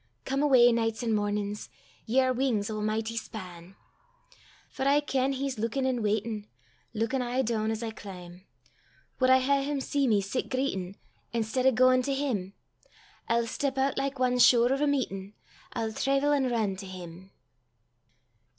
Come awa, nichts an' mornin's, Ye are wings o' a michty span! For I ken he's luikin' an' waitin', Luikin' aye doon as I clim': Wad I hae him see me sit greitin', I'stead o' gaein' to him? I'll step oot like ane sure o' a meetin', I'll traivel an' rin to him.